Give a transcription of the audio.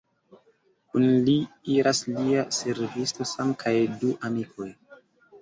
Kun li iras lia servisto Sam kaj du amikoj.